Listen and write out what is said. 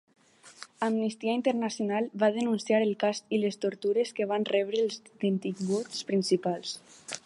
Amnistia Internacional va denunciar el cas i les tortures que van rebre els detinguts principals.